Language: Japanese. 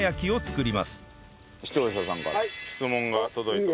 視聴者さんから質問が届いております。